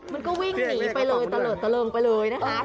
มันก็วิ่งหนีไปเลยตะเลิดตะเริงไปเลยนะคะ